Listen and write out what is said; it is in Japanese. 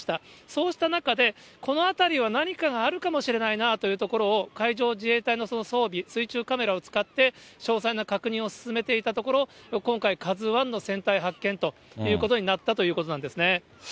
そうした中で、この辺りは何かがあるかもしれないなというところを海上自衛隊の装備、水中カメラを使って、詳細な確認を進めていたところ、今回、カズワンの船体発見ということになったということなんですね。